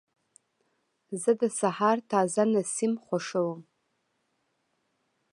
زه د سهار تازه نسیم خوښوم.